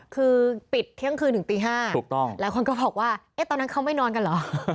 คือปิดเที่ยงคืนถึงตี๕หลายคนก็บอกว่าตอนนั้นเขาไม่นอนกันเหรอ